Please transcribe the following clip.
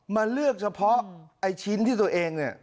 มาเลือกเฉพาะไอ้ชิ้นที่ตัวเองเนี่ย